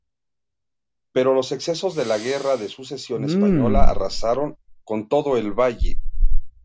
Pero los excesos de la Guerra de Sucesión Española arrasaron con todo el valle.